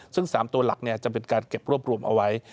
ซึ่ง๓ตัวหลักจะเป็นการเก็บรวบรวมเอาไว้